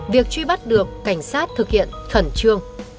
việc truy bắt được cảnh sát thực hiện khẩn trương